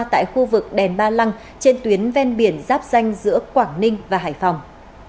tại khu vực đèn ba lăng trên tuyến ven biển giáp danh giữa quảng ninh và hải phòng